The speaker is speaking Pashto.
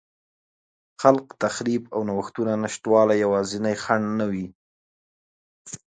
خلاق تخریب او نوښتونو نشتوالی یوازینی خنډ نه دی.